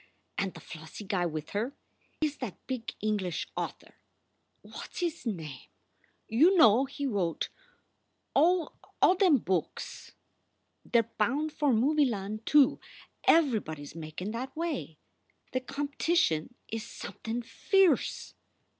And the flossy guy with her is that big English author, What s his name. You know, he wrote oh, all them books. "They re bound for Movieland, too. Everybody s makin that way. The comp tition is somethin fierce."